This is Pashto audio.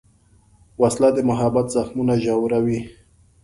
وسله د محبت زخمونه ژوروي